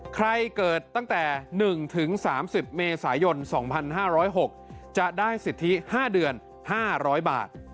เกิดตั้งแต่๑๓๐เมษายน๒๕๐๖จะได้สิทธิ๕เดือน๕๐๐บาท